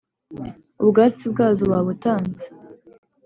ubwatsi bwazo babutanze.